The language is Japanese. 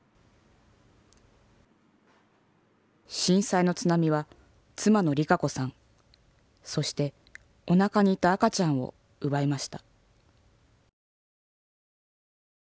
震災の津波は妻の理香子さんそしておなかにいた赤ちゃんを奪いました。